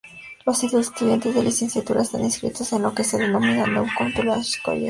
Los estudiantes de licenciatura están inscritos en lo que se denomina "Newcomb-Tulane College".